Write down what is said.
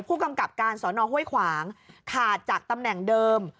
ผู้กำกับการสอนอห้วยขวางขาดจากตำแหน่งเดิม